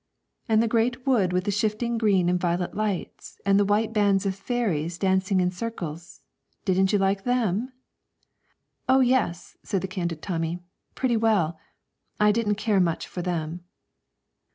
'And the great wood with the shifting green and violet lights, and the white bands of fairies dancing in circles didn't you like them?' 'Oh yes,' said the candid Tommy; 'pretty well. I didn't care much for them.'